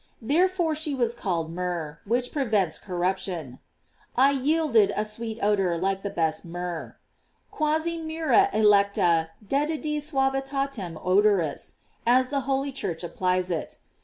J Therefore she was called myrrh, which prevents corruption: I yielded a sweet odor like the best myrrh: "Quasi mirrha electa dedi suavitatem odoris;" as the holy Church applies it.